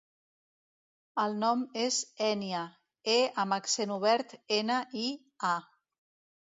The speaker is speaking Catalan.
El nom és Ènia: e amb accent obert, ena, i, a.